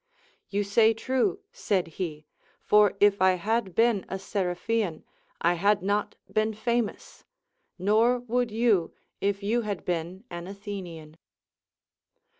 You say true, said he, for if I had been a Seriphian, I had not been famous ; nor would you, if you had been an Athenian.